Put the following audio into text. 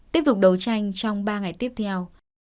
tiếp tục đấu tranh trong ba ngày tiếp theo